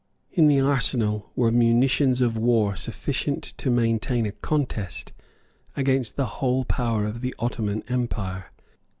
In the arsenal were munitions of war sufficient to maintain a contest against the whole power of the Ottoman Empire.